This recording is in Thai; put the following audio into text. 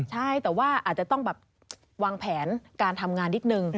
ใช่แต่ว่าอาจจะต้องแบบวางแผนการทำงานนิดนึง